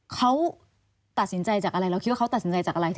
เขาตัดสินใจจากอะไรเราคิดว่าเขาตัดสินใจจากอะไร